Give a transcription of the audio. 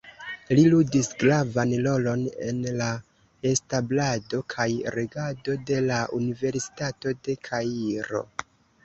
Li ludis gravan rolon en la establado kaj regado de la Universitato de Kairo.